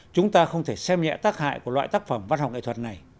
chúng ta không thể xem nhẹ tác hại của loại tác phẩm văn học nghệ thuật này